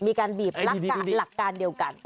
มีการบีบหลักการเดียวกัน